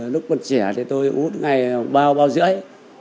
lúc còn trẻ thì tôi cũng hút ngày bao bao rưỡi